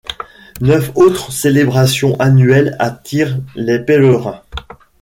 Neuf autres célébrations annuelles attirent les pèlerins.